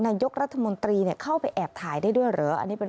นายกรัฐมนตรีเข้าไปแอบถ่ายได้ด้วยเหรออันนี้เป็น